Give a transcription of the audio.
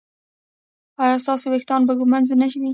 ایا ستاسو ویښتان به ږمنځ نه وي؟